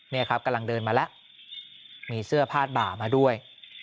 นี่ครับกำลังเดินมาแล้วมีเสื้อผ้าบ่ามาด้วย